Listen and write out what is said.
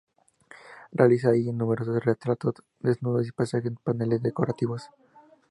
Realiza allí numerosos retratos, desnudos, paisajes y paneles decorativos.